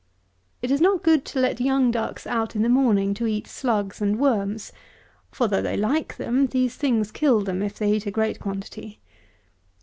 It is not good to let young ducks out in the morning to eat slugs and worms; for, though they like them, these things kill them if they eat a great quantity.